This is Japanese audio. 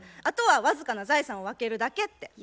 あとは僅かな財産を分けるだけって。